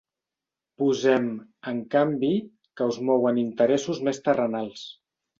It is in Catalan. Posem, en canvi, que us mouen interessos més terrenals.